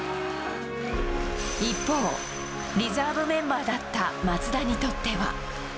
一方、リザーブメンバーだった松田にとっては。